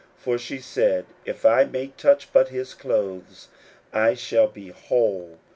41:005:028 For she said, If I may touch but his clothes, I shall be whole.